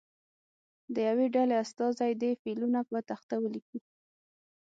د یوې ډلې استازی دې فعلونه په تخته ولیکي.